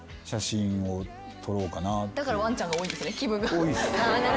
多いです。